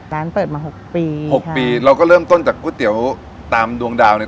เปิดมาหกปีหกปีเราก็เริ่มต้นจากก๋วยเตี๋ยวตามดวงดาวเนี่ย